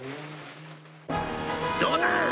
「どうだ！」